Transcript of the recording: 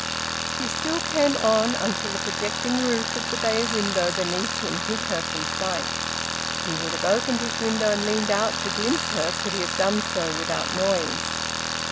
She still came on, until the projecting roof of the bay window beneath him hid her from sight. He would have opened his window and leaned out to glimpse her, could he have done so without noise.